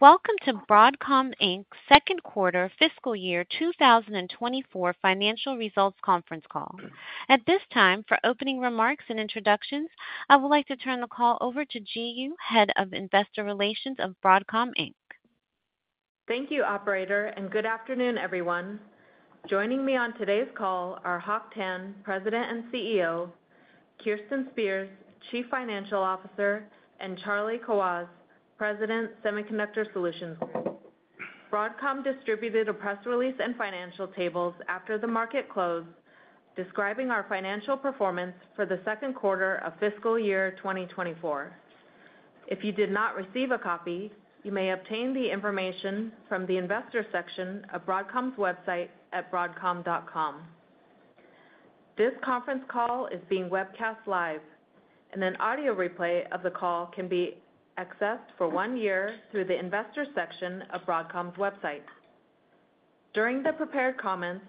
Welcome to Broadcom Inc.'s second quarter fiscal year 2024 financial results conference call. At this time, for opening remarks and introductions, I would like to turn the call over to Ji Yoo, Head of Investor Relations of Broadcom Inc. Thank you, operator, and good afternoon, everyone. Joining me on today's call are Hock Tan, President and CEO, Kirsten Spears, Chief Financial Officer, and Charlie Kawwas, President, Semiconductor Solutions. Broadcom distributed a press release and financial tables after the market closed, describing our financial performance for the second quarter of fiscal year 2024. If you did not receive a copy, you may obtain the information from the investor section of Broadcom's website at broadcom.com. This conference call is being webcast live, and an audio replay of the call can be accessed for one year through the investor section of Broadcom's website. During the prepared comments,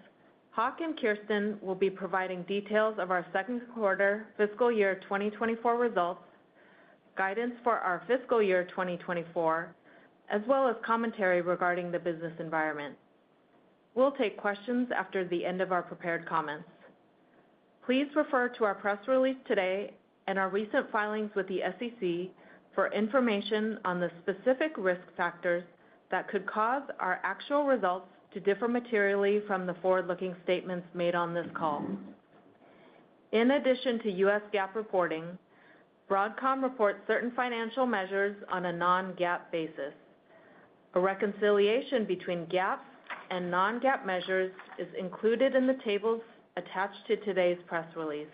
Hock and Kirsten will be providing details of our second quarter fiscal year 2024 results, guidance for our fiscal year 2024, as well as commentary regarding the business environment. We'll take questions after the end of our prepared comments. Please refer to our press release today and our recent filings with the SEC for information on the specific risk factors that could cause our actual results to differ materially from the forward-looking statements made on this call. In addition to U.S. GAAP reporting, Broadcom reports certain financial measures on a non-GAAP basis. A reconciliation between GAAP and non-GAAP measures is included in the tables attached to today's press release.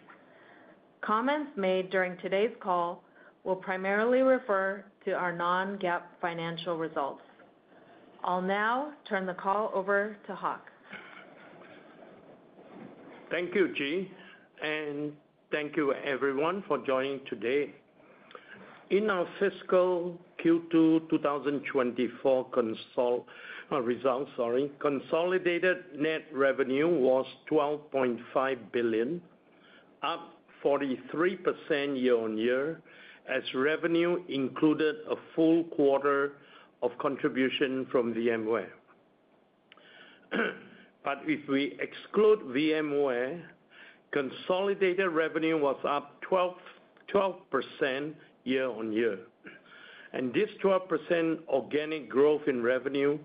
Comments made during today's call will primarily refer to our non-GAAP financial results. I'll now turn the call over to Hock. Thank you, Ji, and thank you everyone for joining today. In our fiscal Q2 2024 consolidated net revenue was $12.5 billion, up 43% year-over-year, as revenue included a full quarter of contribution from VMware. But if we exclude VMware, consolidated revenue was up 12% year-over-year. This 12% organic growth in revenue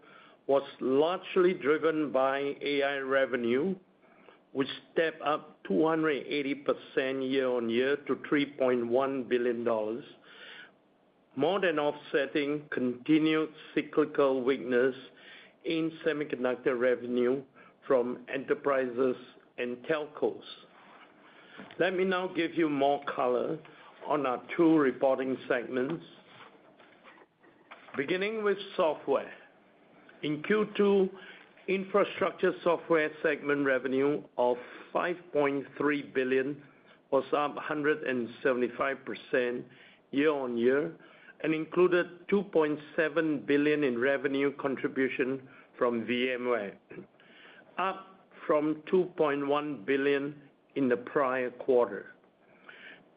was largely driven by AI revenue, which stepped up 280% year-over-year to $3.1 billion, more than offsetting continued cyclical weakness in semiconductor revenue from enterprises and telcos. Let me now give you more color on our two reporting segments. Beginning with software. In Q2, infrastructure software segment revenue of $5.3 billion was up 175% year-on-year, and included $2.7 billion in revenue contribution from VMware, up from $2.1 billion in the prior quarter.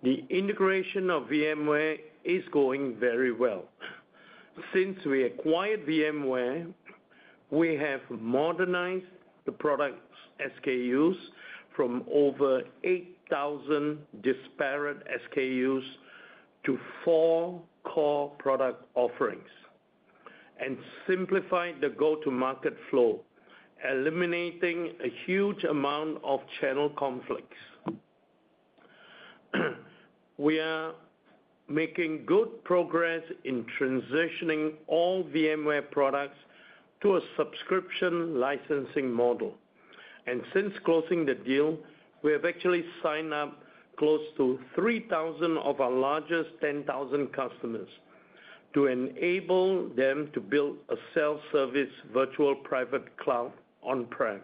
The integration of VMware is going very well. Since we acquired VMware, we have modernized the product SKUs from over 8,000 disparate SKUs to four core product offerings, and simplified the go-to-market flow, eliminating a huge amount of channel conflicts. We are making good progress in transitioning all VMware products to a subscription licensing model. And since closing the deal, we have actually signed up close to 3,000 of our largest 10,000 customers to enable them to build a self-service virtual private cloud on-prem.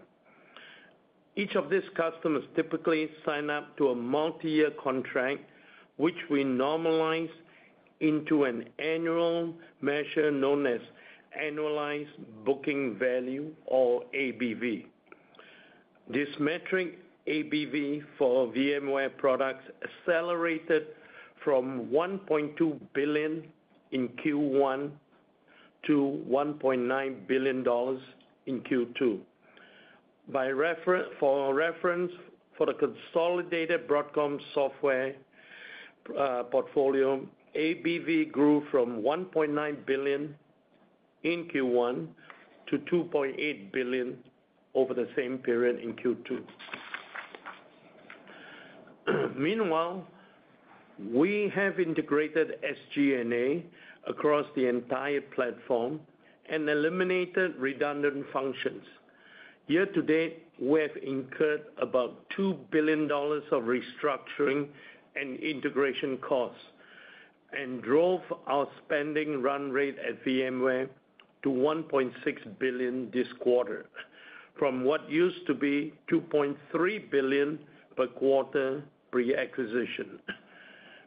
Each of these customers typically sign up to a multi-year contract, which we normalize into an annual measure known as Annualized Booking Value or ABV. This metric, ABV, for VMware products accelerated from $1.2 billion in Q1 to $1.9 billion in Q2. For reference, for the consolidated Broadcom software portfolio, ABV grew from $1.9 billion in Q1 to $2.8 billion over the same period in Q2. Meanwhile, we have integrated SG&A across the entire platform and eliminated redundant functions. Year to date, we have incurred about $2 billion of restructuring and integration costs, and drove our spending run rate at VMware to $1.6 billion this quarter, from what used to be $2.3 billion per quarter pre-acquisition.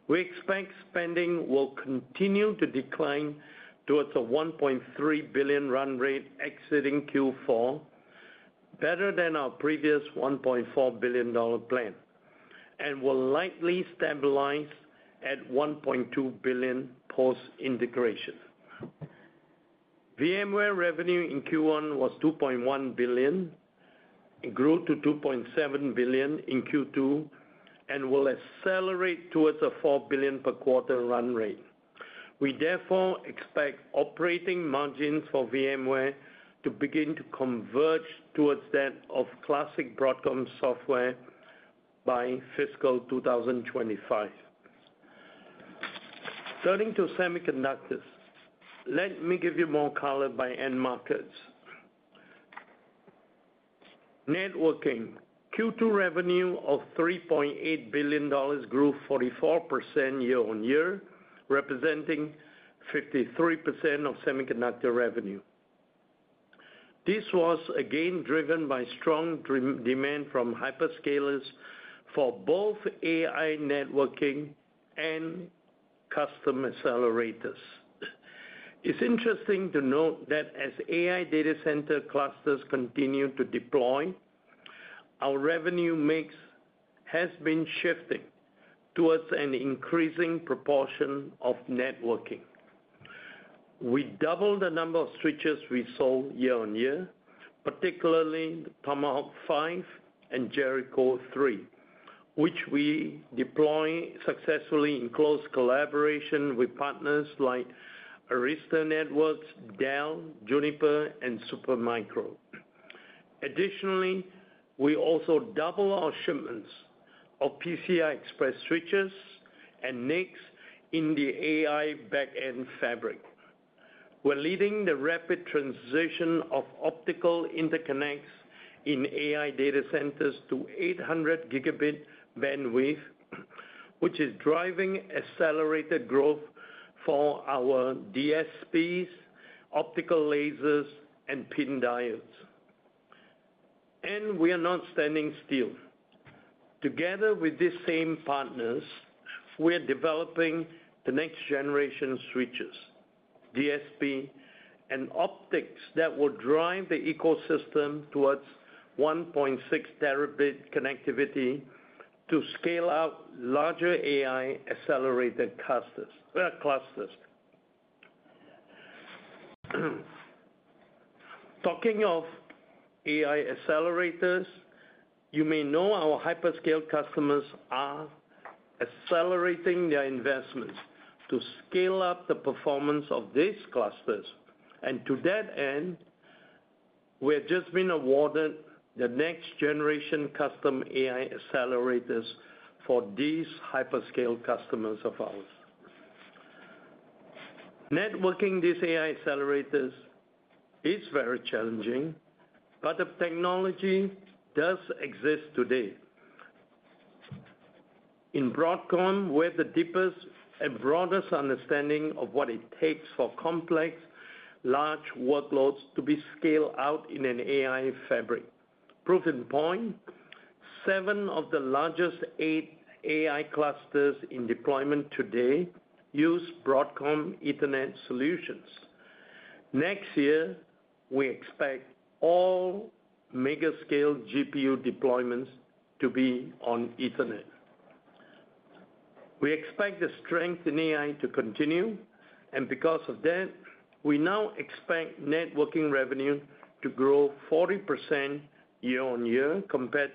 We expect spending will continue to decline towards a $1.3 billion run rate exiting Q4, better than our previous $1.4 billion plan, and will likely stabilize at $1.2 billion post-integration. VMware revenue in Q1 was $2.1 billion. It grew to $2.7 billion in Q2, and will accelerate towards a $4 billion per quarter run rate. We therefore expect operating margins for VMware to begin to converge towards that of classic Broadcom software by fiscal 2025. Turning to semiconductors, let me give you more color by end markets. Networking. Q2 revenue of $3.8 billion grew 44% year-on-year, representing 53% of semiconductor revenue. This was again driven by strong demand from hyperscalers for both AI networking and custom accelerators. It's interesting to note that as AI data center clusters continue to deploy, our revenue mix has been shifting towards an increasing proportion of networking. We doubled the number of switches we sold year-on-year, particularly the Tomahawk 5 and Jericho3, which we deploy successfully in close collaboration with partners like Arista Networks, Dell, Juniper, and Supermicro. Additionally, we also double our shipments of PCI Express switches and NICs in the AI backend fabric. We're leading the rapid transition of optical interconnects in AI data centers to 800 Gb bandwidth, which is driving accelerated growth for our DSPs, optical lasers, and PIN diodes. And we are not standing still. Together with these same partners, we are developing the next generation switches, DSP, and optics that will drive the ecosystem towards 1.6 Tb connectivity to scale out larger AI accelerated clusters, clusters. Talking of AI accelerators, you may know our hyperscale customers are accelerating their investments to scale up the performance of these clusters, and to that end, we have just been awarded the next generation custom AI accelerators for these hyperscale customers of ours. Networking these AI accelerators is very challenging, but the technology does exist today. In Broadcom, we're the deepest and broadest understanding of what it takes for complex, large workloads to be scaled out in an AI fabric. Proven point, seven of the largest eight AI clusters in deployment today use Broadcom Ethernet solutions. Next year, we expect all mega-scale GPU deployments to be on Ethernet. We expect the strength in AI to continue, and because of that, we now expect networking revenue to grow 40% year-on-year, compared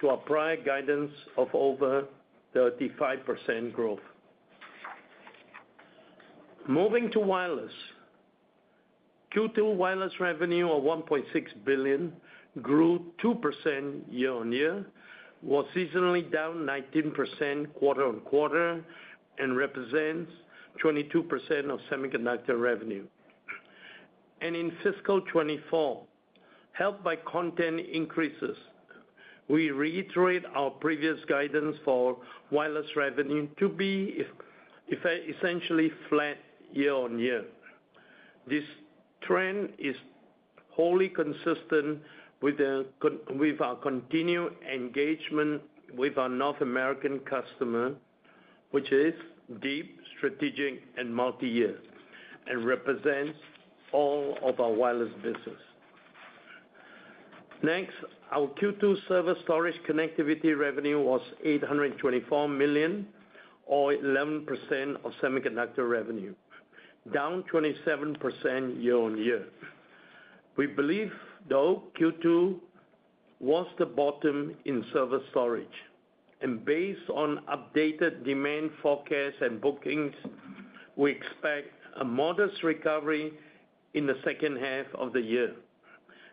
to our prior guidance of over 35% growth. Moving to wireless. Q2 wireless revenue of $1.6 billion grew 2% year-on-year, was seasonally down 19% quarter-on-quarter, and represents 22% of semiconductor revenue. In fiscal 2024, helped by content increases, we reiterate our previous guidance for wireless revenue to be essentially flat year-on-year. This trend is wholly consistent with our continued engagement with our North American customer, which is deep, strategic, and multi-year, and represents all of our wireless business. Next, our Q2 server storage connectivity revenue was $824 million, or 11% of semiconductor revenue, down 27% year-on-year. We believe, though, Q2 was the bottom in server storage, and based on updated demand forecasts and bookings, we expect a modest recovery in the second half of the year.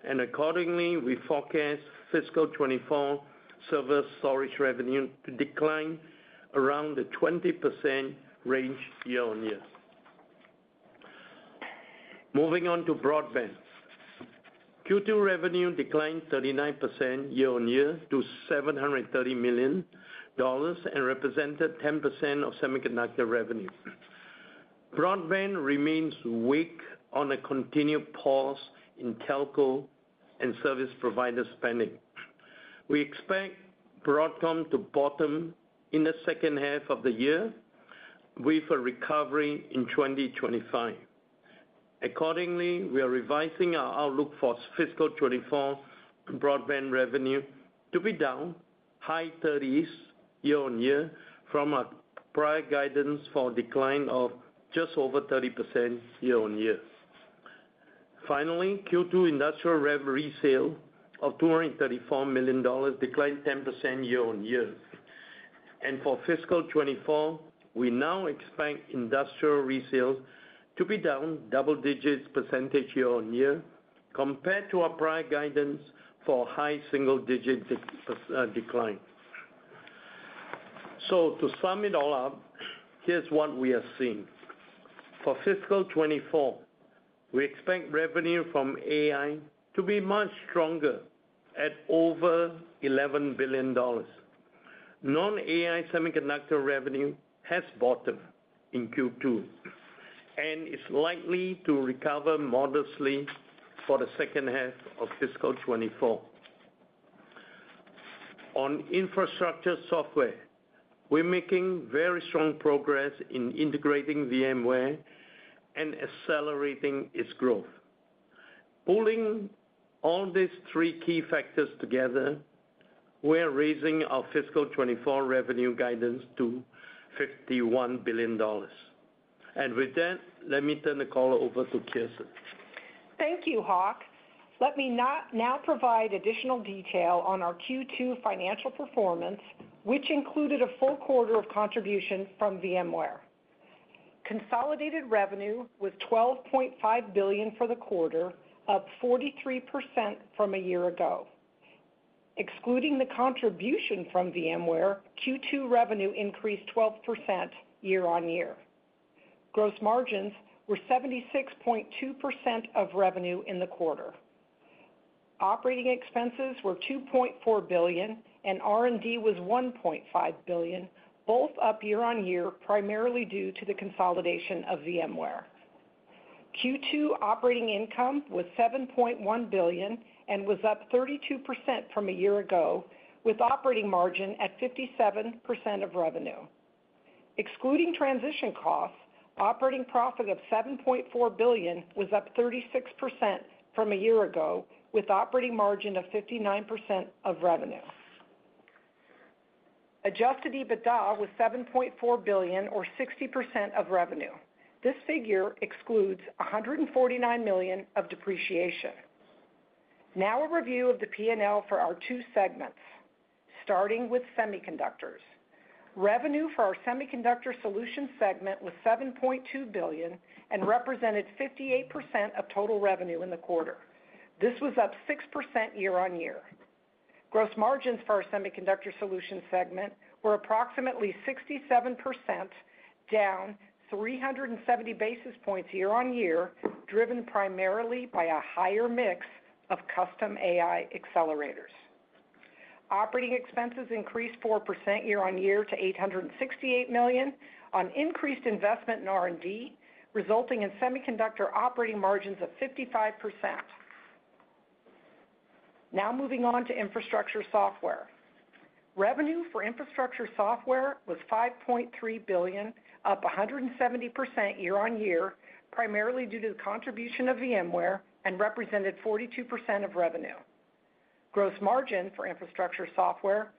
Accordingly, we forecast fiscal 2024 server storage revenue to decline around the 20% range year-on-year. Moving on to broadband. Q2 revenue declined 39% year-on-year to $730 million and represented 10% of semiconductor revenue. Broadband remains weak on a continued pause in telco and service provider spending.... We expect Broadcom to bottom in the second half of the year, with a recovery in 2025. Accordingly, we are revising our outlook for fiscal 2024 broadband revenue to be down high 30s year-on-year from a prior guidance for decline of just over 30% year-on-year. Finally, Q2 industrial revenue resale of $234 million declined 10% year-on-year. And for fiscal 2024, we now expect industrial resales to be down double-digit percentage year-on-year, compared to our prior guidance for high single-digit decline. So to sum it all up, here's what we are seeing. For fiscal 2024, we expect revenue from AI to be much stronger at over $11 billion. Non-AI semiconductor revenue has bottomed in Q2, and is likely to recover modestly for the second half of fiscal 2024. On infrastructure software, we're making very strong progress in integrating VMware and accelerating its growth. Pulling all these three key factors together, we are raising our fiscal 2024 revenue guidance to $51 billion. And with that, let me turn the call over to Kirsten. Thank you, Hock. Let me now provide additional detail on our Q2 financial performance, which included a full quarter of contribution from VMware. Consolidated revenue was $12.5 billion for the quarter, up 43% from a year ago. Excluding the contribution from VMware, Q2 revenue increased 12% year-on-year. Gross margins were 76.2% of revenue in the quarter. Operating expenses were $2.4 billion, and R&D was $1.5 billion, both up year-on-year, primarily due to the consolidation of VMware. Q2 operating income was $7.1 billion and was up 32% from a year ago, with operating margin at 57% of revenue. Excluding transition costs, operating profit of $7.4 billion was up 36% from a year ago, with operating margin of 59% of revenue. Adjusted EBITDA was $7.4 billion or 60% of revenue. This figure excludes $149 million of depreciation. Now, a review of the P&L for our two segments, starting with semiconductors. Revenue for our semiconductor solutions segment was $7.2 billion and represented 58% of total revenue in the quarter. This was up 6% year-on-year. Gross margins for our semiconductor solutions segment were approximately 67%, down 370 basis points year-on-year, driven primarily by a higher mix of custom AI accelerators. Operating expenses increased 4% year-on-year to $868 million on increased investment in R&D, resulting in semiconductor operating margins of 55%. Now moving on to infrastructure software. Revenue for infrastructure software was $5.3 billion, up 170% year-on-year, primarily due to the contribution of VMware, and represented 42% of revenue. Gross margin for infrastructure software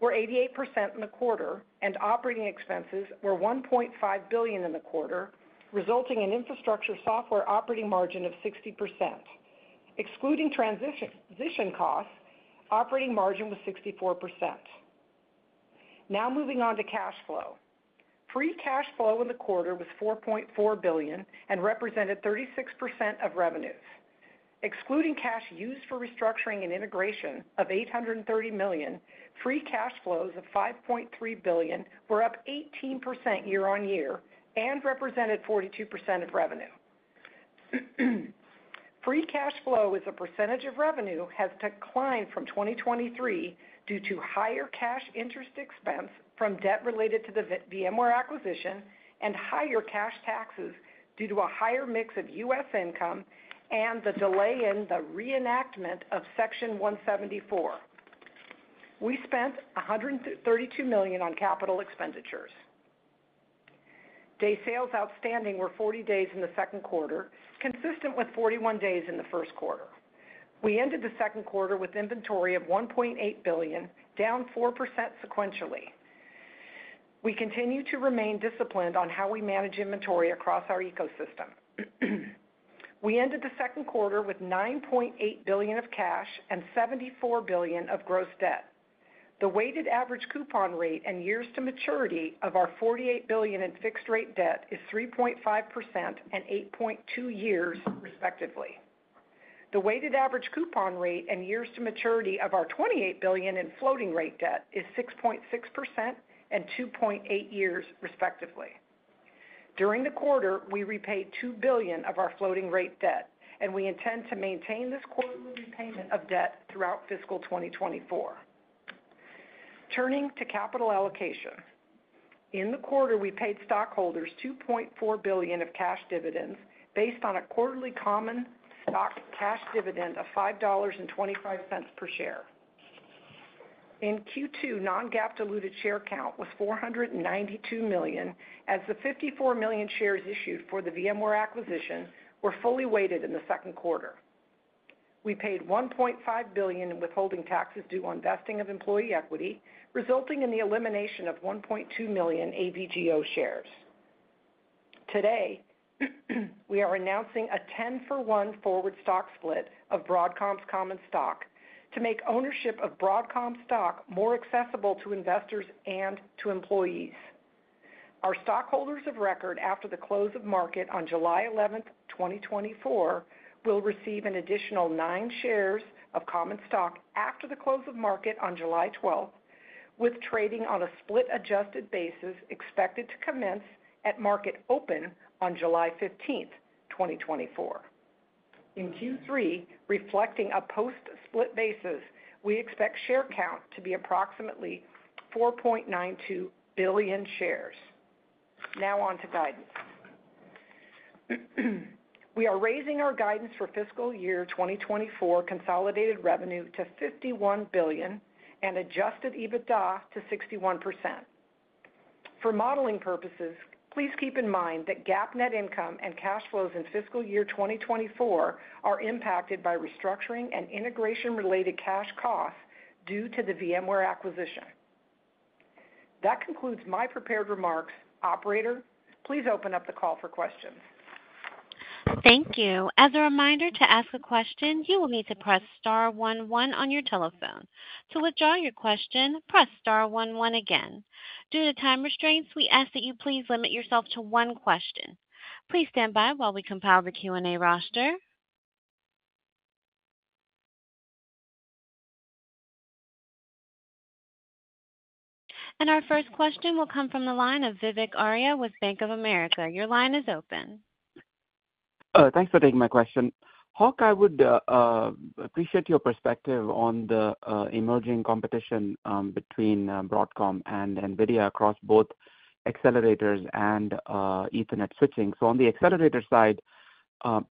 were 88% in the quarter, and operating expenses were $1.5 billion in the quarter, resulting in infrastructure software operating margin of 60%. Excluding transition costs, operating margin was 64%. Now moving on to cash flow. Free cash flow in the quarter was $4.4 billion and represented 36% of revenues. Excluding cash used for restructuring and integration of $830 million, free cash flows of $5.3 billion were up 18% year-on-year and represented 42% of revenue. Free cash flow as a percentage of revenue has declined from 2023 due to higher cash interest expense from debt related to the VMware acquisition and higher cash taxes due to a higher mix of U.S. income and the delay in the reenactment of Section 174. We spent $132 million on capital expenditures. Days Sales Outstanding were 40 days in the second quarter, consistent with 41 days in the first quarter. We ended the second quarter with inventory of $1.8 billion, down 4% sequentially. We continue to remain disciplined on how we manage inventory across our ecosystem. We ended the second quarter with $9.8 billion of cash and $74 billion of gross debt. The weighted average coupon rate and years to maturity of our $48 billion in fixed rate debt is 3.5% and 8.2 years, respectively. The weighted average coupon rate and years to maturity of our $28 billion in floating rate debt is 6.6% and 2.8 years, respectively. During the quarter, we repaid $2 billion of our floating rate debt, and we intend to maintain this quarterly payment of debt throughout fiscal 2024. Turning to capital allocation. In the quarter, we paid stockholders $2.4 billion of cash dividends, based on a quarterly common stock cash dividend of $5.25 per share. In Q2, non-GAAP diluted share count was 492 million, as the 54 million shares issued for the VMware acquisition were fully weighted in the second quarter. We paid $1.5 billion in withholding taxes due on vesting of employee equity, resulting in the elimination of 1.2 million AVGO shares. Today, we are announcing a 10-for-1 forward stock split of Broadcom's common stock, to make ownership of Broadcom stock more accessible to investors and to employees. Our stockholders of record after the close of market on July 11th, 2024, will receive an additional nine shares of common stock after the close of market on July 12th, with trading on a split adjusted basis expected to commence at market open on July 15th, 2024. In Q3, reflecting a post-split basis, we expect share count to be approximately 4.92 billion shares. Now on to guidance. We are raising our guidance for fiscal year 2024 consolidated revenue to $51 billion and Adjusted EBITDA to 61%. For modeling purposes, please keep in mind that GAAP net income and cash flows in fiscal year 2024 are impacted by restructuring and integration-related cash costs due to the VMware acquisition. That concludes my prepared remarks. Operator, please open up the call for questions. Thank you. As a reminder, to ask a question, you will need to press star one one on your telephone. To withdraw your question, press star one one again. Due to time restraints, we ask that you please limit yourself to one question. Please stand by while we compile the Q&A roster. And our first question will come from the line of Vivek Arya with Bank of America. Your line is open. Thanks for taking my question. Hock, I would appreciate your perspective on the emerging competition between Broadcom and NVIDIA across both accelerators and Ethernet switching. So on the accelerator side,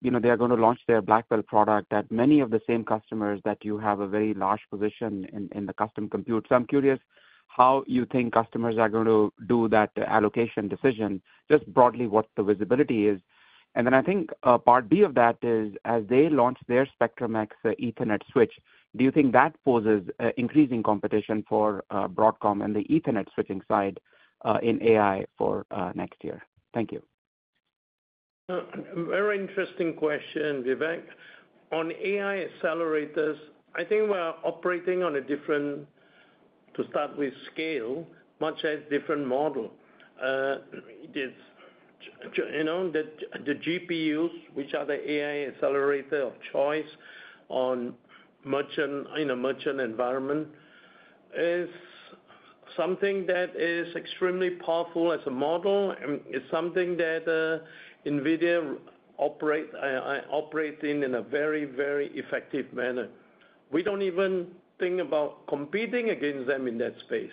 you know, they are gonna launch their Blackwell product at many of the same customers that you have a very large position in, in the custom compute. So I'm curious how you think customers are going to do that allocation decision, just broadly, what the visibility is. And then I think, part B of that is, as they launch their Spectrum-X Ethernet switch, do you think that poses increasing competition for Broadcom and the Ethernet switching side in AI for next year? Thank you. Very interesting question, Vivek. On AI accelerators, I think we're operating on a different, to start with, scale, much a different model. This, you know, the GPUs, which are the AI accelerator of choice in merchant, in a merchant environment, is something that is extremely powerful as a model, and it's something that NVIDIA operate, operate in, in a very, very effective manner. We don't even think about competing against them in that space,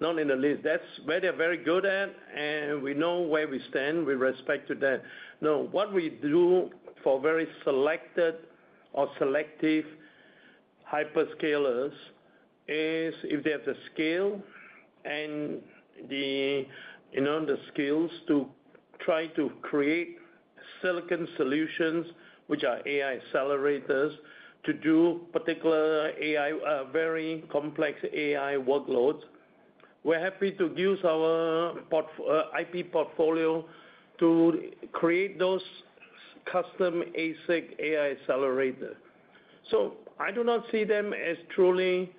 not in the least. That's where they're very good at, and we know where we stand with respect to that. Now, what we do for very selected or selective hyperscalers is, if they have the scale and the, you know, the skills to try to create silicon solutions, which are AI accelerators, to do particular AI, very complex AI workloads, we're happy to use our IP portfolio to create those custom ASIC AI accelerator. So I do not see them as truly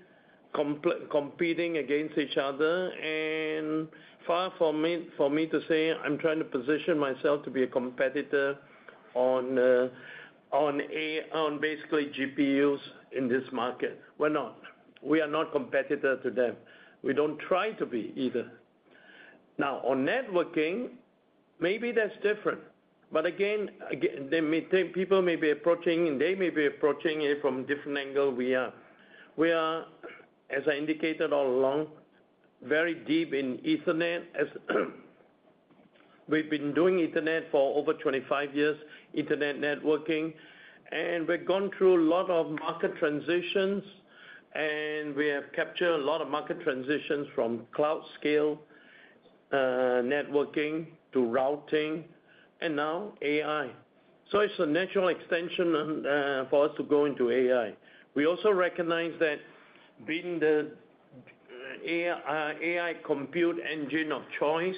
competing against each other, and far for me, for me to say, I'm trying to position myself to be a competitor on, on AI, on basically GPUs in this market. We're not. We are not competitor to them. We don't try to be either. Now, on networking, maybe that's different. But again, they may take people may be approaching, and they may be approaching it from different angle we are. We are, as I indicated all along, very deep in Ethernet. As we've been doing Ethernet for over 25 years, Ethernet networking, and we've gone through a lot of market transitions, and we have captured a lot of market transitions from cloud scale networking to routing, and now AI. So it's a natural extension for us to go into AI. We also recognize that being the AI AI compute engine of choice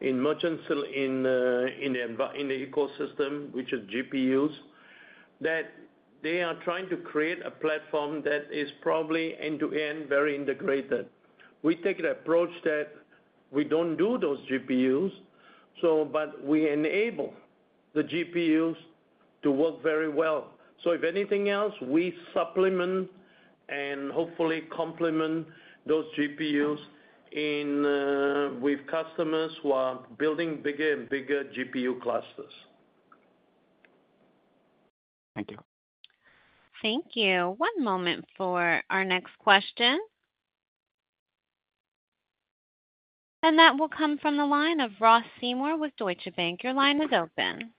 in the merchant ecosystem, which is GPUs, that they are trying to create a platform that is probably end-to-end, very integrated. We take the approach that we don't do those GPUs, so but we enable the GPUs to work very well. So if anything else, we supplement and hopefully complement those GPUs in with customers who are building bigger and bigger GPU clusters. Thank you. Thank you. One moment for our next question. And that will come from the line of Ross Seymore with Deutsche Bank. Your line is open.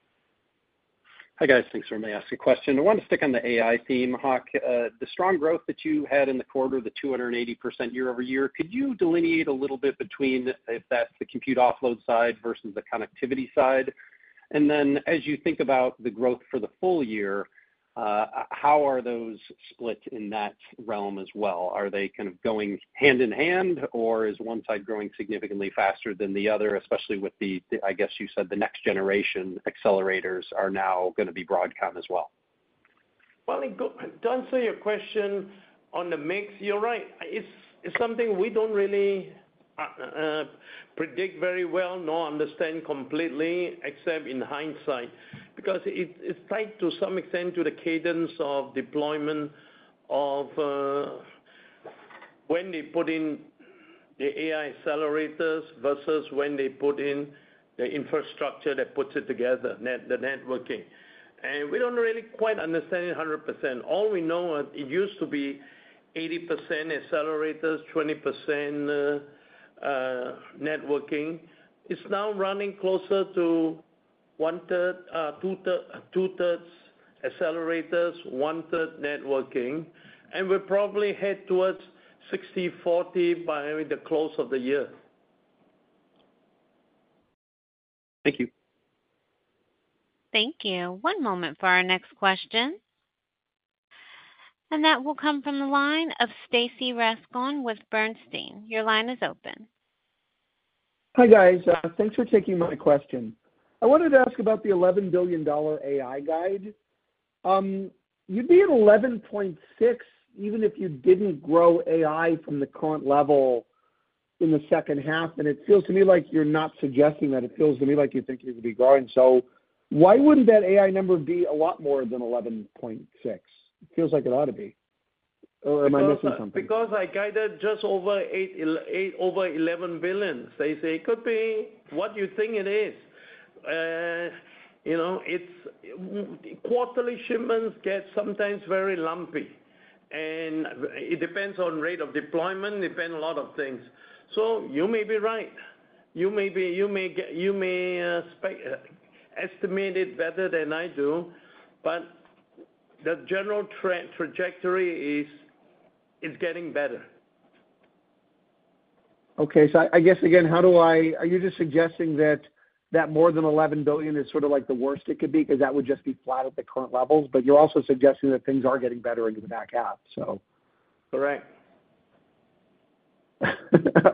Hi, guys. Thanks for letting me ask a question. I want to stick on the AI theme, Hock. The strong growth that you had in the quarter, the 280% year-over-year, could you delineate a little bit between if that's the compute offload side versus the connectivity side? And then as you think about the growth for the full year, how are those split in that realm as well? Are they kind of going hand in hand, or is one side growing significantly faster than the other, especially with the, I guess you said, the next generation accelerators are now gonna be Broadcom as well? Well, to answer your question on the mix, you're right. It's, it's something we don't really predict very well, nor understand completely, except in hindsight, because it's tied to some extent to the cadence of deployment of when they put in the AI accelerators versus when they put in the infrastructure that puts it together, the networking. And we don't really quite understand it 100%. All we know is it used to be 80% accelerators, 20% networking. It's now running closer to 1/3, 2/3 accelerators, 1/3 networking, and we'll probably head towards 60/40 by the close of the year. Thank you. Thank you. One moment for our next question. That will come from the line of Stacy Rasgon with Bernstein. Your line is open. Hi, guys. Thanks for taking my question. I wanted to ask about the $11 billion AI guide. You'd be at $11.6 billion, even if you didn't grow AI from the current level in the second half, and it feels to me like you're not suggesting that. It feels to me like you think you could be growing. So why wouldn't that AI number be a lot more than $11.6 billion? It feels like it ought to be. Or am I missing something? Because I guided just over $8 billion, $8 billion over $11 billion. So it could be what you think it is. You know, it's quarterly shipments get sometimes very lumpy, and it depends on rate of deployment, depend on a lot of things. So you may be right. You may estimate it better than I do, but the general trajectory is getting better. Okay. So I guess again, are you just suggesting that more than $11 billion is sort of like the worst it could be? 'Cause that would just be flat at the current levels, but you're also suggesting that things are getting better into the back half, so. Correct.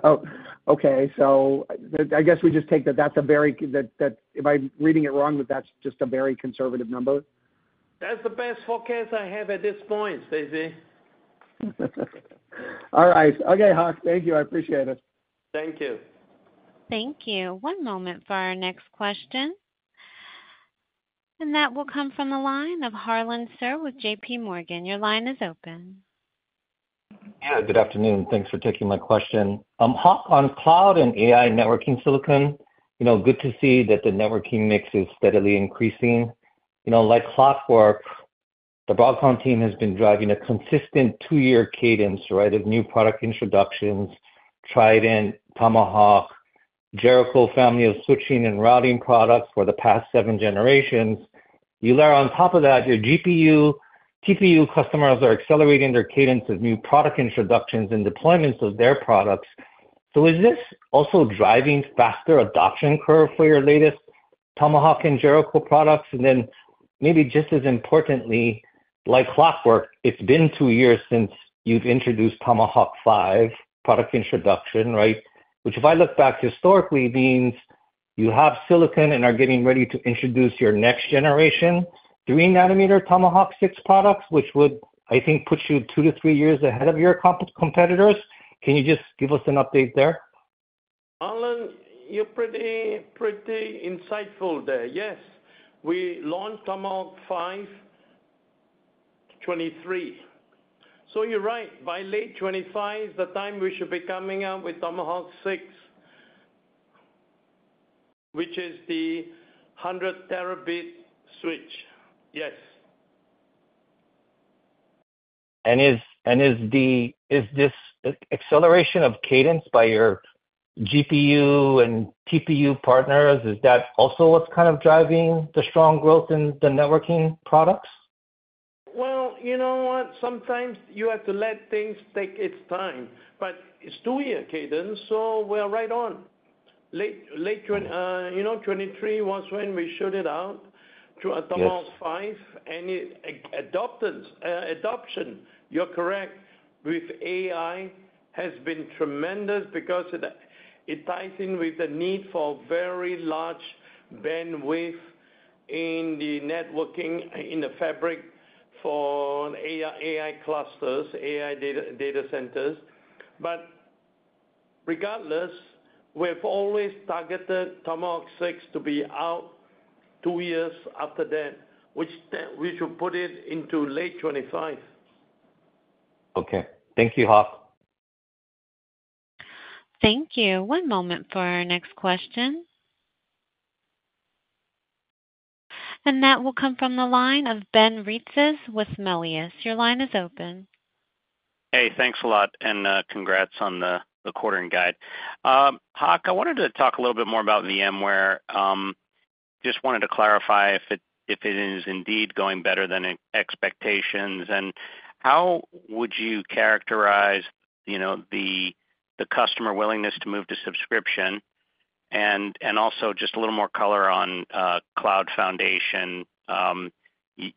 Oh, okay. So I guess we just take that that's a very conservative number if I'm reading it wrong. That's just a very conservative number. That's the best forecast I have at this point, Stacy. All right. Okay, Hock. Thank you. I appreciate it. Thank you. Thank you. One moment for our next question, and that will come from the line of Harlan Sur with J.P. Morgan. Your line is open. Yeah, good afternoon. Thanks for taking my question. Hock, on cloud and AI networking silicon, you know, good to see that the networking mix is steadily increasing. You know, like clockwork, the Broadcom team has been driving a consistent two-year cadence, right, of new product introductions, Trident, Tomahawk, Jericho family of switching and routing products for the past seven generations. You layer on top of that, your GPU, TPU customers are accelerating their cadence of new product introductions and deployments of their products. So is this also driving faster adoption curve for your latest Tomahawk and Jericho products? And then, maybe just as importantly, like clockwork, it's been two years since you've introduced Tomahawk 5 product introduction, right? Which, if I look back historically, means you have silicon and are getting ready to introduce your next generation, 3 nanometer Tomahawk 6 products, which would, I think, put you two to three years ahead of your competitors. Can you just give us an update there? Harlan, you're pretty, pretty insightful there. Yes, we launched Tomahawk 5, 2023. So you're right, by late 2025, the time we should be coming out with Tomahawk 6, which is the 100 Tb switch. Yes. Is this acceleration of cadence by your GPU and TPU partners, is that also what's kind of driving the strong growth in the networking products? Well, you know what? Sometimes you have to let things take its time, but it's two-year cadence, so we're right on. Late 2023 was when we shoot it out to- Yes... Tomahawk 5, and its adoption, you're correct, with AI has been tremendous because it ties in with the need for very large bandwidth in the networking, in the fabric for AI, AI clusters, AI data, data centers. But regardless, we've always targeted Tomahawk 6 to be out two years after that, which then we should put it into late 2025. Okay. Thank you, Hock. Thank you. One moment for our next question. That will come from the line of Ben Reitzes with Melius. Your line is open. Hey, thanks a lot, and congrats on the quarter and guide. Hock, I wanted to talk a little bit more about VMware. Just wanted to clarify if it is indeed going better than expectations, and how would you characterize, you know, the customer willingness to move to subscription? And also just a little more color on Cloud Foundation.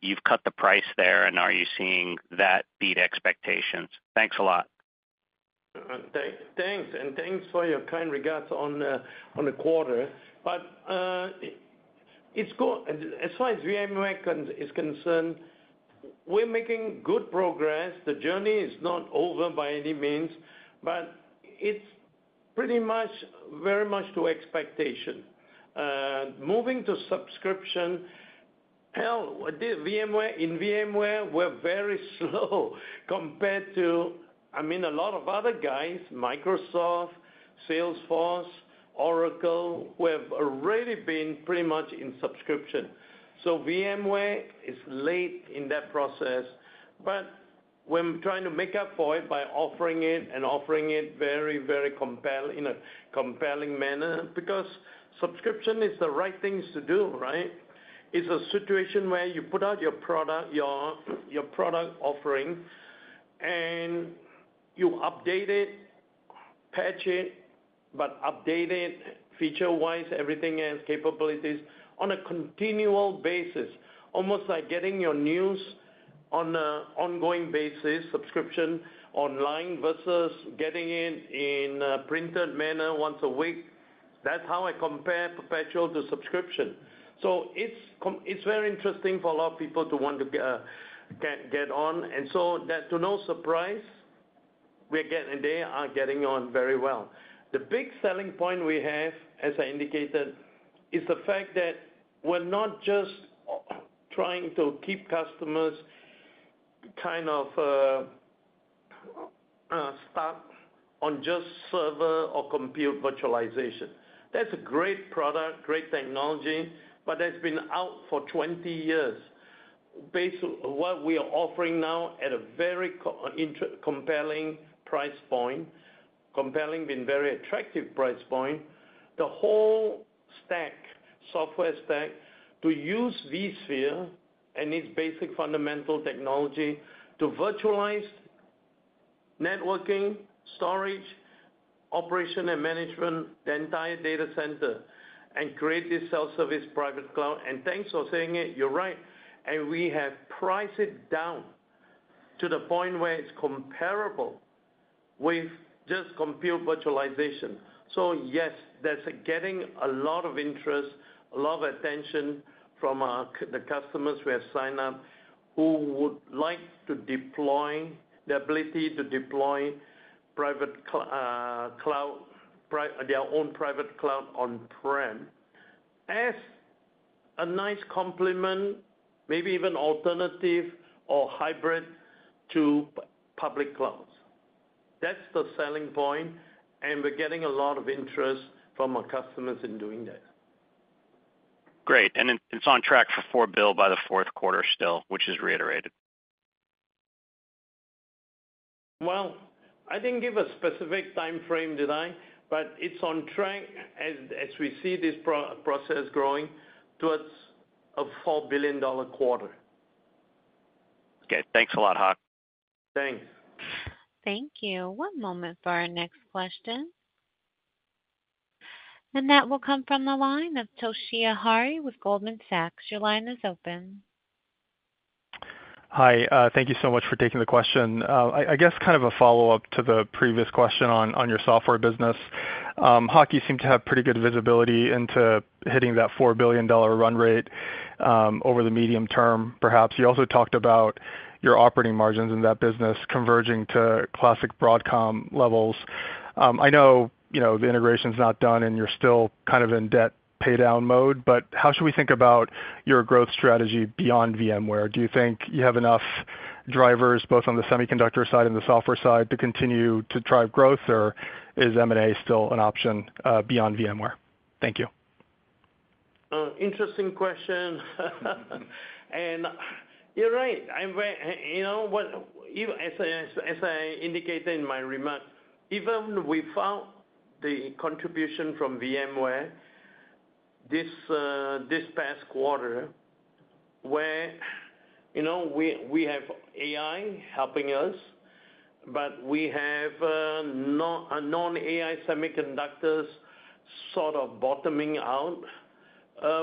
You've cut the price there, and are you seeing that beat expectations? Thanks a lot. Thanks, and thanks for your kind regards on the quarter. But as far as VMware is concerned, we're making good progress. The journey is not over by any means, but it's pretty much, very much to expectation. Moving to subscription. Well, in VMware, we're very slow compared to, I mean, a lot of other guys, Microsoft, Salesforce, Oracle, who have already been pretty much in subscription. So VMware is late in that process, but we're trying to make up for it by offering it and offering it very, very compelling manner. Because subscription is the right thing to do, right? It's a situation where you put out your product, your product offering, and you update it, patch it, but update it feature-wise, everything else, capabilities, on a continual basis. Almost like getting your news on a ongoing basis, subscription online, versus getting it in a printed manner once a week. That's how I compare perpetual to subscription. So it's very interesting for a lot of people to want to get on. And so that to no surprise, we're getting, they are getting on very well. The big selling point we have, as I indicated, is the fact that we're not just trying to keep customers kind of stuck on just server or compute virtualization. That's a great product, great technology, but that's been out for 20 years. Based on what we are offering now at a very compelling price point, compelling and very attractive price point, the whole stack, software stack, to use vSphere and its basic fundamental technology to virtualize networking, storage, operation and management, the entire data center, and create this self-service private cloud. And thanks for saying it, you're right, and we have priced it down to the point where it's comparable with just compute virtualization. So yes, that's getting a lot of interest, a lot of attention from our customers who have signed up, who would like to deploy the ability to deploy private cloud, their own private cloud on-prem, as a nice complement, maybe even alternative or hybrid to public clouds. That's the selling point, and we're getting a lot of interest from our customers in doing that. Great, and it's on track for $4 billion by the fourth quarter still, which is reiterated? Well, I didn't give a specific timeframe, did I? But it's on track as we see this process growing towards a $4 billion quarter. Okay. Thanks a lot, Hock. Thanks. Thank you. One moment for our next question. That will come from the line of Toshiya Hari with Goldman Sachs. Your line is open. Hi, thank you so much for taking the question. I guess kind of a follow-up to the previous question on your software business. Hock, you seem to have pretty good visibility into hitting that $4 billion run rate over the medium term, perhaps. You also talked about your operating margins in that business converging to classic Broadcom levels. I know, you know, the integration's not done, and you're still kind of in debt paydown mode, but how should we think about your growth strategy beyond VMware? Do you think you have enough drivers, both on the semiconductor side and the software side, to continue to drive growth, or is M&A still an option beyond VMware? Thank you. Interesting question. And you're right, I'm very, you know what, even as I indicated in my remarks, even without the contribution from VMware this past quarter, where, you know, we have AI helping us, but we have non-AI semiconductors sort of bottoming out,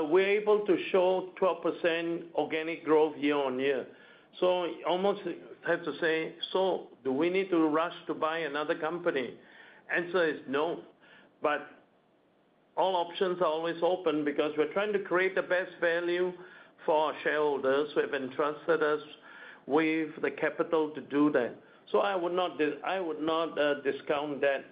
we're able to show 12% organic growth year-on-year. So almost have to say, "So do we need to rush to buy another company?" Answer is no. But all options are always open because we're trying to create the best value for our shareholders who have entrusted us with the capital to do that. So I would not discount that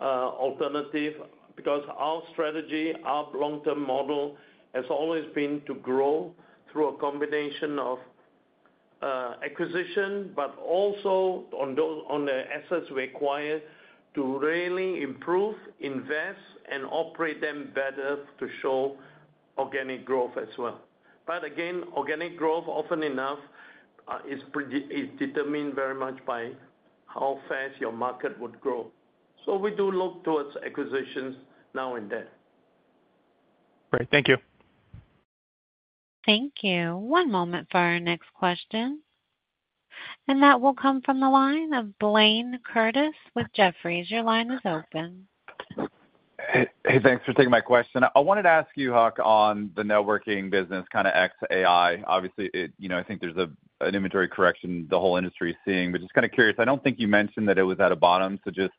alternative, because our strategy, our long-term model, has always been to grow through a combination of acquisition, but also on those, on the assets we acquired to really improve, invest, and operate them better to show organic growth as well. But again, organic growth, often enough, is determined very much by how fast your market would grow. So we do look towards acquisitions now and then. Great. Thank you. Thank you. One moment for our next question, and that will come from the line of Blayne Curtis with Jefferies. Your line is open. Hey, hey, thanks for taking my question. I wanted to ask you, Hock, on the networking business, kind of ex AI. Obviously, it, you know, I think there's a, an inventory correction the whole industry is seeing. But just kind of curious, I don't think you mentioned that it was at a bottom. So just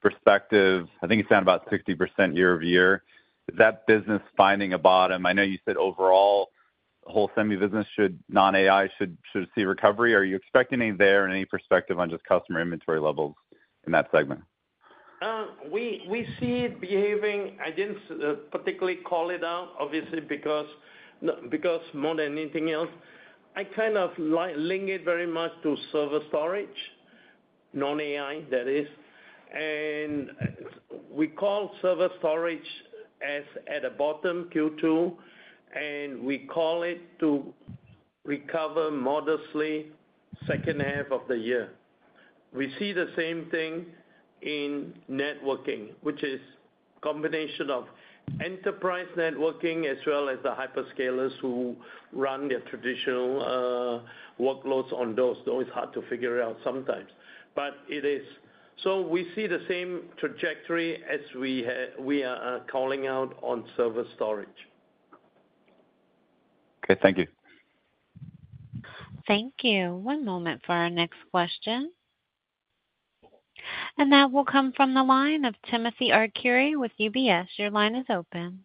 perspective, I think you said about 60% year-over-year. Is that business finding a bottom? I know you said overall, the whole semi business should, non-AI should, should see recovery. Are you expecting any there, and any perspective on just customer inventory levels in that segment? We see it behaving. I didn't particularly call it out, obviously, because more than anything else, I kind of link it very much to server storage, non-AI that is. And we call server storage as at a bottom Q2, and we call it to recover modestly second half of the year. We see the same thing in networking, which is combination of enterprise networking as well as the hyperscalers who run their traditional workloads on those, though it's hard to figure it out sometimes, but it is. So we see the same trajectory as we are calling out on server storage. Okay, thank you. Thank you. One moment for our next question. That will come from the line of Timothy Arcuri with UBS. Your line is open.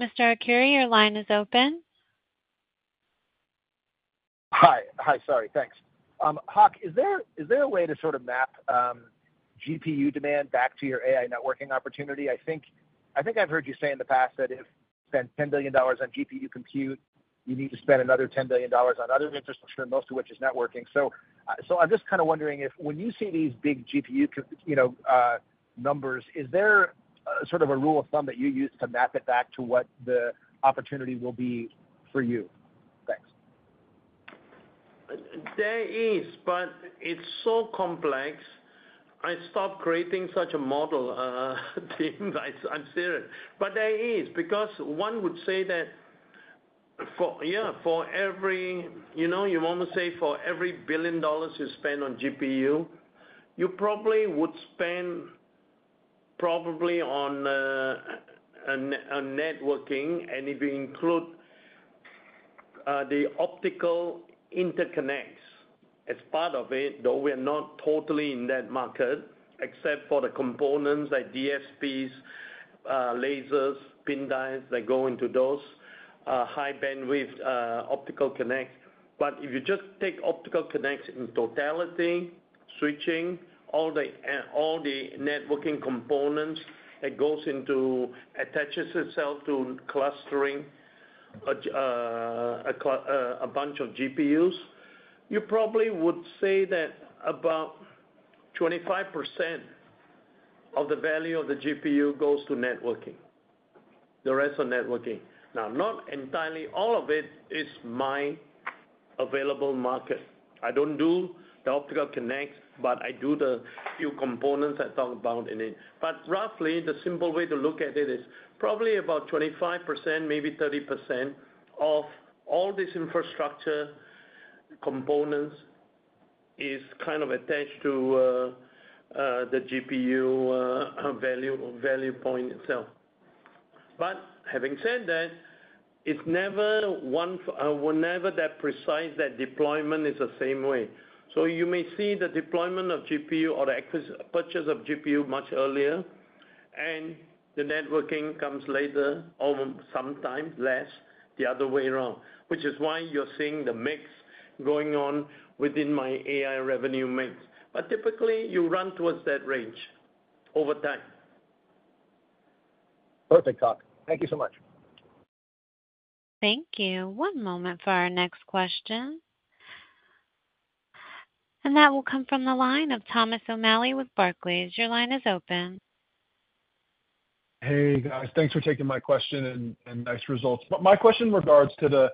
Mr. Arcuri, your line is open. Thanks. Hock, is there a way to sort of map GPU demand back to your AI networking opportunity? I think I've heard you say in the past that if you spend $10 billion on GPU compute, you need to spend another $10 billion on other infrastructure, most of which is networking. So, I'm just kind of wondering if when you see these big GPU you know numbers, is there sort of a rule of thumb that you use to map it back to what the opportunity will be for you? Thanks. There is, but it's so complex. I stopped creating such a model, Tim. I'm serious. But there is, because one would say that for every, you know, you want to say for every $1 billion you spend on GPU, you probably would spend probably on networking. And if you include the optical interconnects as part of it, though we are not totally in that market, except for the components like DSPs, lasers, PIN diodes, that go into those high bandwidth optical connect. But if you just take optical connects in totality, switching all the all the networking components that goes into, attaches itself to clustering a bunch of GPUs, you probably would say that about 25% of the value of the GPU goes to networking. The rest are networking. Now, not entirely all of it is my available market. I don't do the optical connects, but I do the few components I talked about in it. But roughly, the simple way to look at it is probably about 25%, maybe 30% of all this infrastructure components is kind of attached to the GPU value point itself. But having said that, it's never one whenever that precise, that deployment is the same way. So you may see the deployment of GPU or the purchase of GPU much earlier, and the networking comes later, or sometimes the other way around, which is why you're seeing the mix going on within my AI revenue mix. But typically, you run towards that range over time. Perfect, Hock. Thank you so much. Thank you. One moment for our next question. That will come from the line of Thomas O'Malley with Barclays. Your line is open. Hey, guys, thanks for taking my question and nice results. But my question regards to the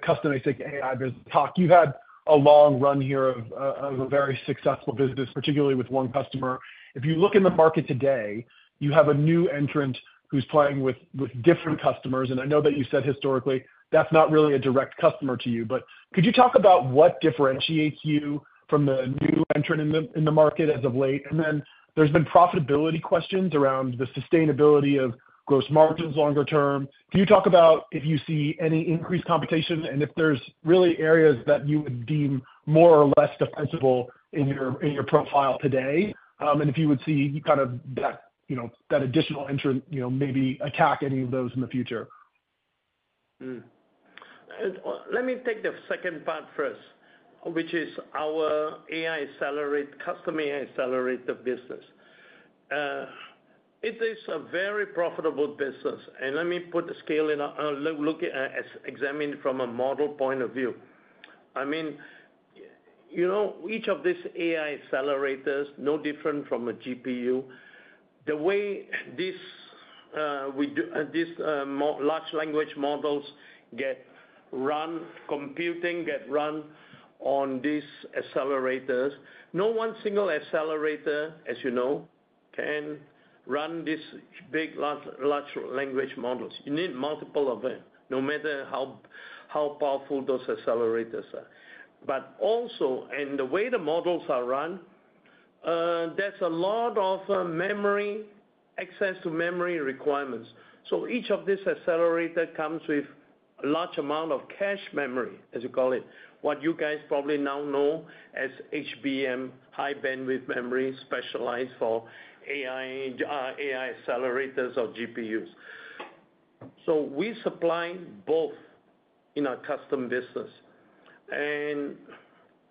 custom ASIC AI business. Hock, you've had a long run here of a very successful business, particularly with one customer. If you look in the market today, you have a new entrant who's playing with different customers, and I know that you said historically, that's not really a direct customer to you. But could you talk about what differentiates you from the new entrant in the market as of late? And then there's been profitability questions around the sustainability of gross margins longer term. Can you talk about if you see any increased competition, and if there's really areas that you would deem more or less defensible in your profile today? And if you would see kind of that, you know, that additional entrant, you know, maybe attack any of those in the future? Mm-hmm. And let me take the second part first, which is our AI accelerator, custom AI accelerator business. It is a very profitable business, and let me put the scale in perspective, as examined from a model point of view. I mean, you know, each of these AI accelerators, no different from a GPU. The way these large language models get run, compute gets run on these accelerators, no one single accelerator, as you know, can run this big large language models. You need multiple of them, no matter how powerful those accelerators are. But also, and the way the models are run, there's a lot of memory access to memory requirements. So each of these accelerator comes with a large amount of cache memory, as you call it. What you guys probably now know as HBM, high bandwidth memory, specialized for AI, AI accelerators or GPUs. So we supply both in our custom business. And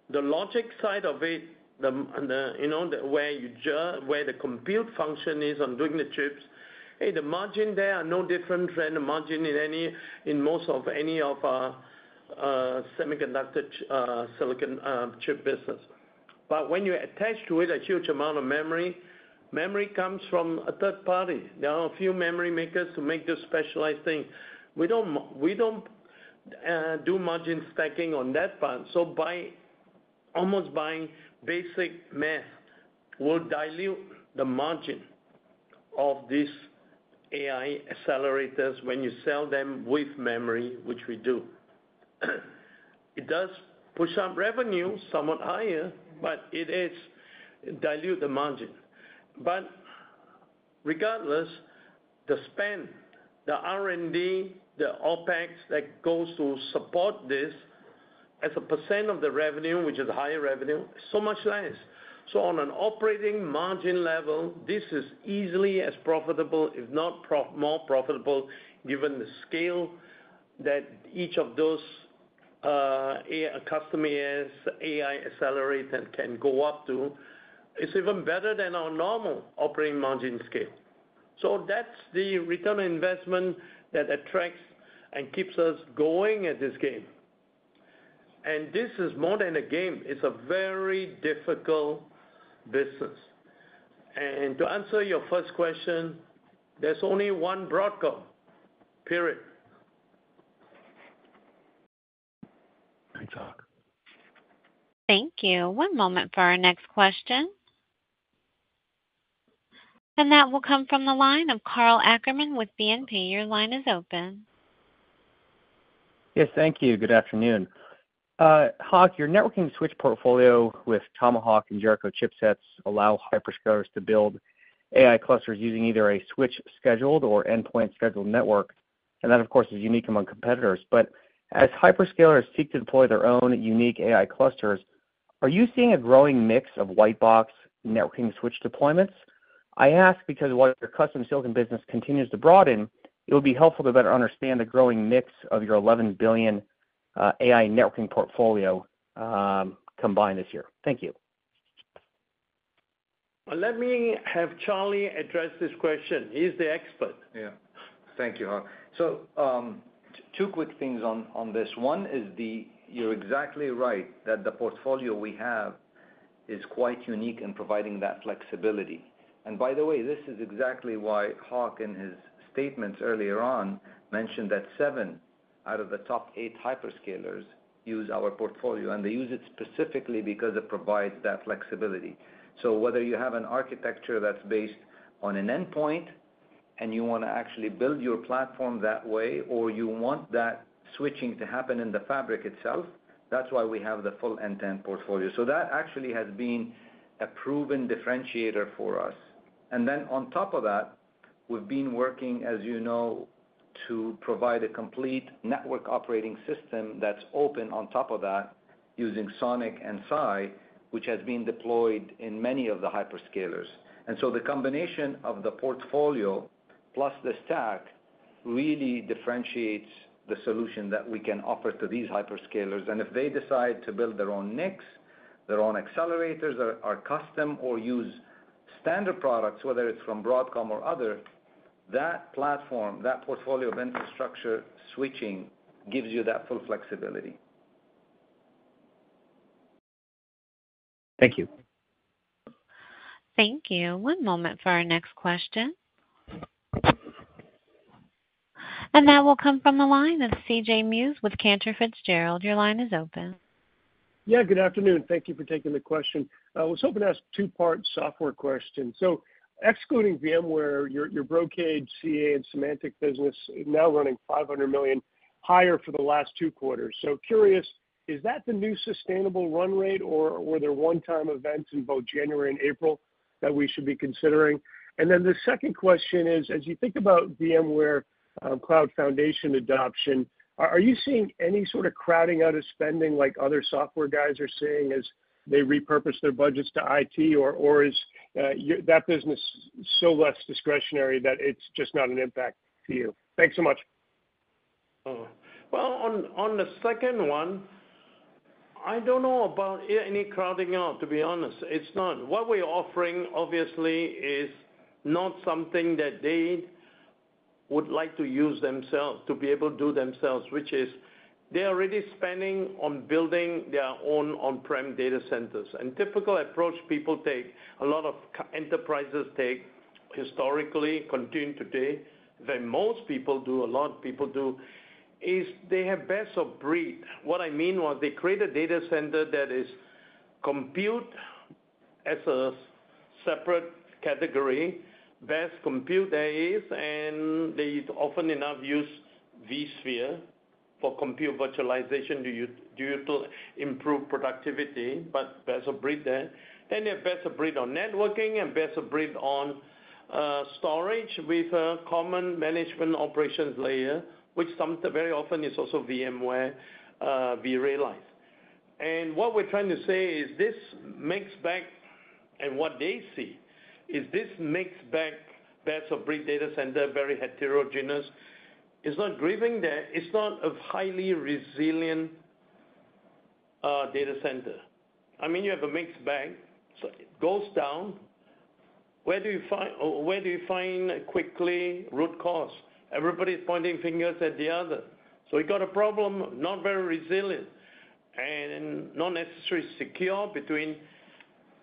the logic side of it, you know, the way where the compute function is on doing the chips, and the margin there are no different than the margin in any, in most of, any of our semiconductor, silicon, chip business. But when you attach to it a huge amount of memory, memory comes from a third party. There are a few memory makers who make this specialized thing. We don't we don't do margin stacking on that part. So almost by basic math, will dilute the margin of these AI accelerators when you sell them with memory, which we do. It does push up revenue somewhat higher, but it is dilute the margin. But regardless, the spend, the R&D, the OpEx that goes to support this as a percent of the revenue, which is higher revenue, so much less. So on an operating margin level, this is easily as profitable, if not more profitable, given the scale that each of those, AI, custom AI, AI accelerator can go up to. It's even better than our normal operating margin scale. So that's the return on investment that attracts and keeps us going at this game. And this is more than a game, it's a very difficult business. And to answer your first question, there's only one Broadcom, period. Thanks, Hock. Thank you. One moment for our next question. That will come from the line of Karl Ackerman with BNP. Your line is open. Yes, thank you. Good afternoon. Hock, your networking switch portfolio with Tomahawk and Jericho chipsets allow hyperscalers to build AI clusters using either a switch scheduled or endpoint scheduled network, and that, of course, is unique among competitors. But as hyperscalers seek to deploy their own unique AI clusters, are you seeing a growing mix of white box networking switch deployments? I ask because while your custom silicon business continues to broaden, it would be helpful to better understand the growing mix of your $11 billion AI networking portfolio combined this year. Thank you. Well, let me have Charlie address this question. He's the expert. Yeah. Thank you, Hock. So, two quick things on this. One is you're exactly right, that the portfolio we have is quite unique in providing that flexibility. And by the way, this is exactly why Hock, in his statements earlier on, mentioned that seven out of the top eight hyperscalers use our portfolio, and they use it specifically because it provides that flexibility. So whether you have an architecture that's based on an endpoint and you want to actually build your platform that way, or you want that switching to happen in the fabric itself, that's why we have the full end-to-end portfolio. So that actually has been a proven differentiator for us. And then on top of that, we've been working, as you know, to provide a complete network operating system that's open on top of that, using SONiC and SAI, which has been deployed in many of the hyperscalers. And so the combination of the portfolio plus the stack, really differentiates the solution that we can offer to these hyperscalers. And if they decide to build their own NICs, their own accelerators that are custom or use standard products, whether it's from Broadcom or other, that platform, that portfolio of infrastructure switching, gives you that full flexibility. Thank you. Thank you. One moment for our next question. That will come from the line of C.J. Muse with Cantor Fitzgerald. Your line is open. Yeah, good afternoon. Thank you for taking the question. I was hoping to ask a two-part software question. So excluding VMware, your Brocade, CA, and Symantec business is now running $500 million higher for the last two quarters. So curious, is that the new sustainable run rate, or were there one-time events in both January and April that we should be considering? And then the second question is, as you think about VMware Cloud Foundation adoption, are you seeing any sort of crowding out of spending like other software guys are seeing as they repurpose their budgets to IT, or is that business so less discretionary that it's just not an impact to you? Thanks so much. Well, on the second one, I don't know about any crowding out, to be honest. It's not. What we're offering, obviously, is not something that they would like to use themselves, to be able to do themselves, which is they're already spending on building their own on-prem data centers. And typical approach people take, a lot of enterprises take, historically, continue today, that most people do, a lot of people do, is they have best of breed. What I mean was they create a data center that is compute as a separate category. Best compute there is, and they often enough use vSphere for compute virtualization due to improved productivity, but best of breed there. And they're best of breed on networking and best of breed on storage with a common management operations layer, which very often is also VMware, vRealize. What we're trying to say is this mixed bag, and what they see is this mixed bag, best of breed data center, very heterogeneous. It's not a greenfield there. It's not a highly resilient data center. I mean, you have a mixed bag, so it goes down. Where do you find quickly root cause? Everybody's pointing fingers at the other. So we've got a problem, not very resilient, and not necessarily secure between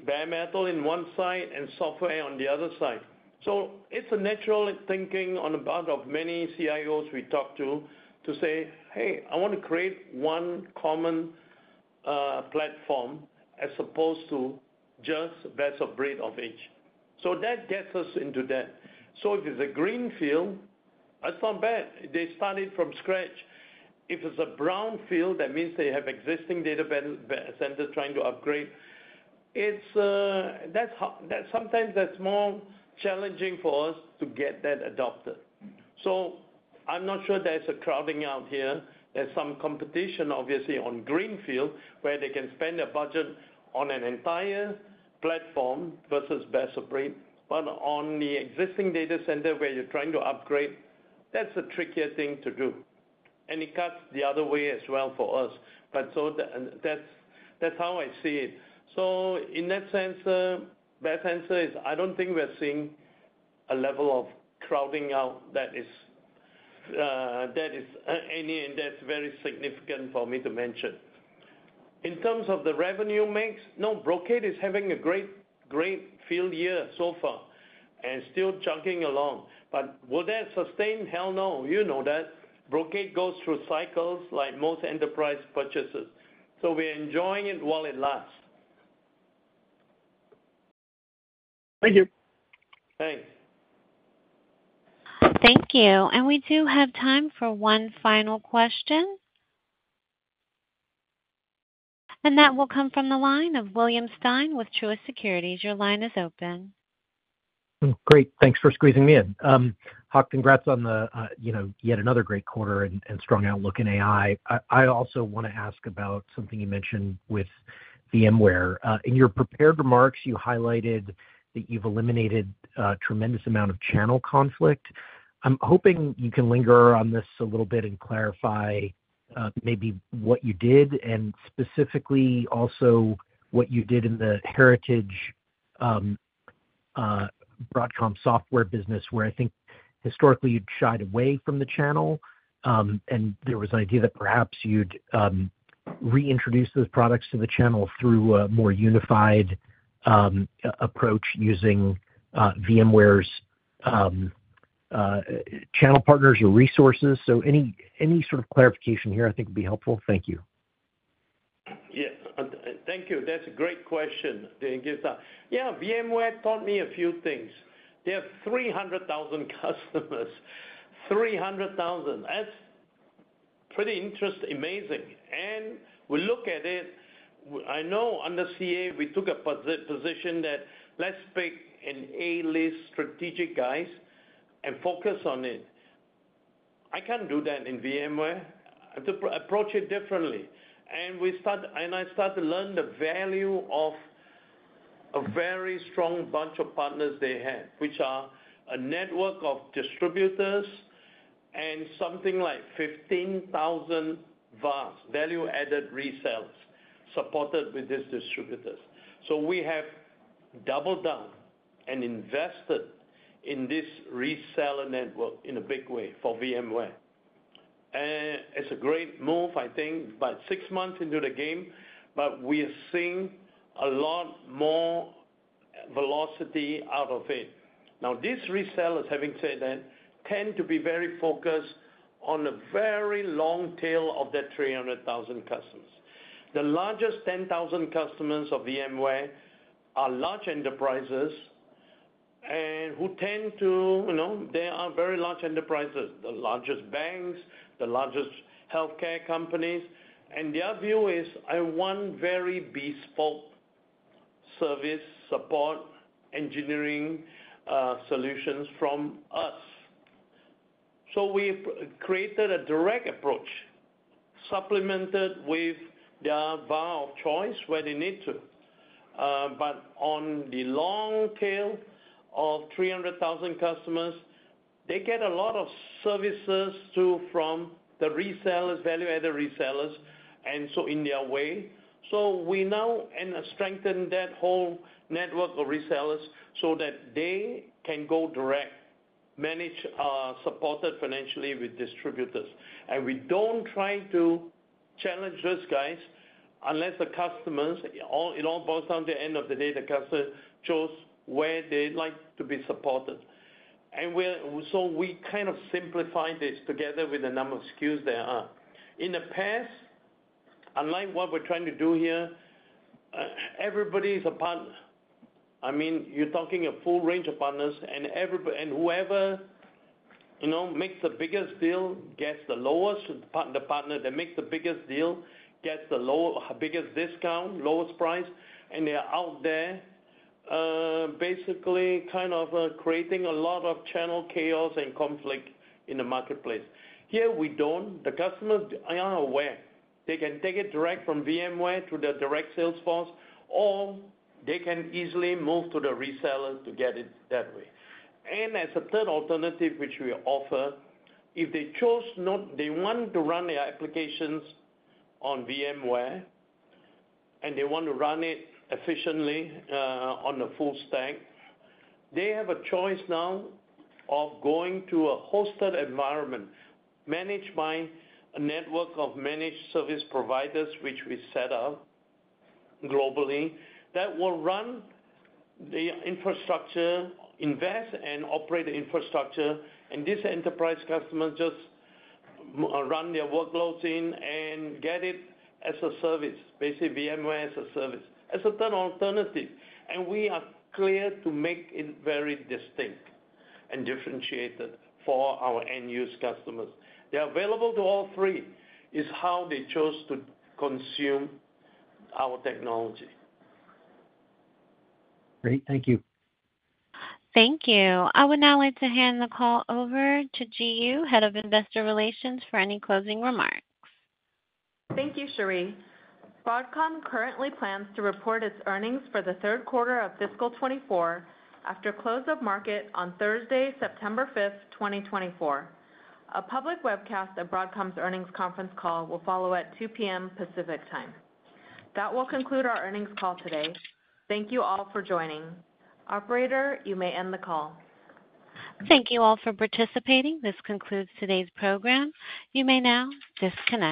bare metal in one side and software on the other side. So it's a natural thinking on the part of many CIOs we talk to, to say, "Hey, I want to create one common platform as opposed to just best of breed of each." So that gets us into that. So if it's a greenfield, that's not bad. They started from scratch. If it's a brownfield, that means they have existing data centers trying to upgrade. It's, that's sometimes that's more challenging for us to get that adopted. So I'm not sure there's a crowding out here. There's some competition, obviously, on greenfield, where they can spend a budget on an entire platform versus best of breed. But on the existing data center where you're trying to upgrade, that's a trickier thing to do, and it cuts the other way as well for us. But that's how I see it. So in that sense, the best answer is I don't think we're seeing a level of crowding out that is any, and that's very significant for me to mention. In terms of the revenue mix, no, Brocade is having a great, great fiscal year so far, and still chugging along. But will that sustain? Hell, no! You know that. Brocade goes through cycles like most enterprise purchases, so we're enjoying it while it lasts. Thank you. Thanks. Thank you. And we do have time for one final question. And that will come from the line of William Stein with Truist Securities. Your line is open. Great, thanks for squeezing me in. Hock, congrats on the, you know, yet another great quarter and strong outlook in AI. I also want to ask about something you mentioned with VMware. In your prepared remarks, you highlighted that you've eliminated a tremendous amount of channel conflict. I'm hoping you can linger on this a little bit and clarify, maybe what you did, and specifically also what you did in the heritage Broadcom software business, where I think historically you'd shied away from the channel. And there was an idea that perhaps you'd reintroduce those products to the channel through a more unified approach, using VMware's channel partners or resources. So any sort of clarification here, I think, would be helpful. Thank you. Yeah. Thank you. That's a great question, and give that. Yeah, VMware taught me a few things. They have 300,000 customers. 300,000. That's pretty interesting, amazing. And we look at it, I know under CA, we took a position that let's pick an A-list strategic guys and focus on it. I can't do that in VMware. I have to approach it differently. And I start to learn the value of a very strong bunch of partners they have, which are a network of distributors and something like 15,000 VARs, value-added resellers, supported with these distributors. So we have doubled down and invested in this reseller network in a big way for VMware. And it's a great move, I think, about six months into the game, but we are seeing a lot more velocity out of it. Now, these resellers, having said that, tend to be very focused on a very long tail of that 300,000 customers. The largest 10,000 customers of VMware are large enterprises, and who tend to, you know, they are very large enterprises, the largest banks, the largest healthcare companies, and their view is, I want very bespoke service, support, engineering, solutions from us. So we've created a direct approach, supplemented with their VAR of choice where they need to. But on the long tail of 300,000 customers, they get a lot of services through from the resellers, value-added resellers, and so in their way. So we now and strengthen that whole network of resellers so that they can go direct, manage, supported financially with distributors. And we don't try to challenge those guys unless the customers, it all boils down to the end of the day, the customer chose where they'd like to be supported. And we're so we kind of simplified this together with the number of SKUs there are. In the past, unlike what we're trying to do here, everybody's a partner. I mean, you're talking a full range of partners and whoever, you know, makes the biggest deal, gets the lowest, the partner, the partner that makes the biggest deal, gets the lowest biggest discount, lowest price, and they're out there, basically, kind of, creating a lot of channel chaos and conflict in the marketplace. Here we don't. The customers are aware. They can take it direct from VMware to their direct sales force, or they can easily move to the reseller to get it that way. And as a third alternative, which we offer, if they chose not they want to run their applications on VMware, and they want to run it efficiently, on the full stack, they have a choice now of going to a hosted environment, managed by a network of managed service providers, which we set up globally, that will run the infrastructure, invest and operate the infrastructure, and these enterprise customers just run their workloads in and get it as a service. Basically, VMware as a service, as a third alternative. And we are clear to make it very distinct and differentiated for our end user customers. They're available to all three, it's how they chose to consume our technology. Great, thank you. Thank you. I would now like to hand the call over to Ji Yoo, Head of Investor Relations, for any closing remarks. Thank you, Cherie. Broadcom currently plans to report its earnings for the third quarter of fiscal 2024 after close of market on Thursday, September 5th, 2024. A public webcast of Broadcom's earnings conference call will follow at 2:00 P.M. Pacific Time. That will conclude our earnings call today. Thank you all for joining. Operator, you may end the call. Thank you all for participating. This concludes today's program. You may now disconnect.